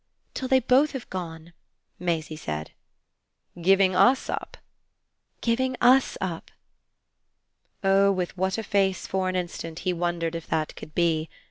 "Till they both have gone," Maisie said. "Giving US up?" "Giving US up." Oh with what a face for an instant he wondered if that could be!